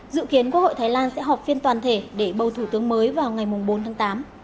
dự kiến quốc hội thái lan sẽ họp phiên toàn thể để bầu thủ tướng mới vào ngày bốn tháng tám